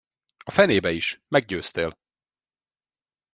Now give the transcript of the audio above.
A fenébe is, meggyőztél.